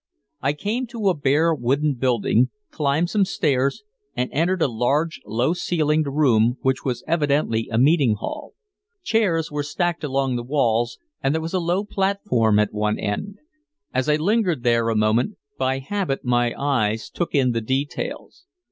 I came to a bare wooden building, climbed some stairs and entered a large, low ceilinged room which was evidently a meeting hall. Chairs were stacked along the walls and there was a low platform at one end. As I lingered there a moment, by habit my eyes took in the details.